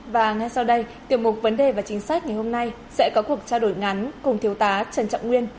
và ngay sau đây tiềm mục vấn đề và chính sách ngày hôm nay sẽ có cuộc trao đổi ngắn cùng thiếu tá trần trọng nguyên